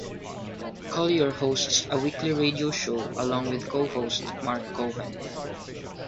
Collier hosts a weekly Radio Show along with co-host Marc Cohen.